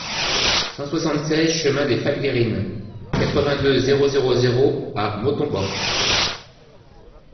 cent soixante-seize chemin de Falgayrines, quatre-vingt-deux, zéro zéro zéro à Montauban